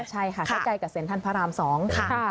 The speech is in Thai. ใช่ค่ะเข้าใจกับเศรษฐ์ท่านพระรามสอง